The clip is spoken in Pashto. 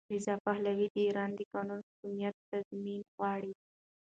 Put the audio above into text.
رضا پهلوي د ایران د قانون حاکمیت تضمین غواړي.